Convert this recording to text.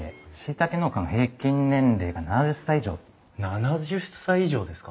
７０歳以上ですか。